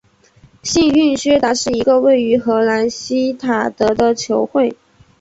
幸运薛达是一个位于荷兰锡塔德的球会。